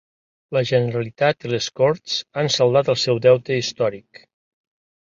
La Generalitat i les Corts han saldat el seu deute històric